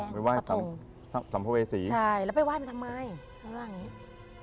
ไปไหว้สำโพเวสีใช่แล้วไปไหว้ทำไมแล้วว่าอย่างนี้